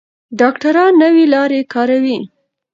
ډاکټران نوې لارې کاروي.